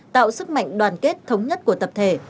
tạo sức mạnh đoàn kết thống nhất của tập thể